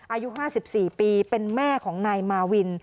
อายุ๕๔ปีเป็นแม่ของนายมาวิน